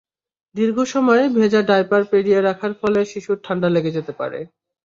দীর্ঘ সময় ভেজা ডায়াপার পরিয়ে রাখার ফলে শিশুর ঠান্ডা লেগে যেতে পারে।